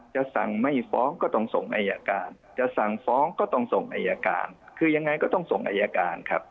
จะสั่งไม่ฟ้องก็ต้องส่งอายการจะสั่งฟ้องก็ต้องส่งอายการคือยังไงก็ต้องส่งอายการครับ